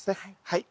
はい。